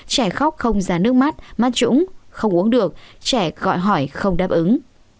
trẻ khóc không ra nước mắt mát trũng không uống được trẻ gọi hỏi không đáp ứng